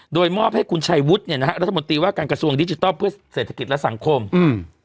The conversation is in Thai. โดยมอบให้คุณชัยวุฒิเนี่ยนะฮะรัฐมนตรีว่าการกระทรวงดิจิทัลเพื่อเศรษฐกิจและสังคมอืม